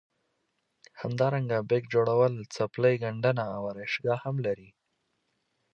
همدارنګه بیک جوړول څپلۍ ګنډنه او ارایشګاه هم لري.